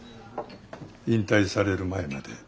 引退される前まで。